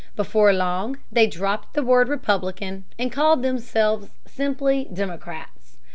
Before long they dropped the word "Republican" and called themselves simply Democrats.